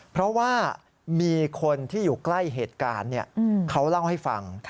เพราะว่ามีคนที่อยู่ใกล้เหตุการณ์เขาเล่าให้ฟัง